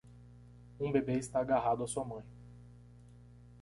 Um bebê está agarrado a sua mãe.